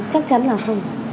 chắc chắn là không